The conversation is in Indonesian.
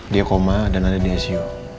dia koma dan ada di icu